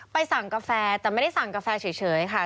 สั่งกาแฟแต่ไม่ได้สั่งกาแฟเฉยค่ะ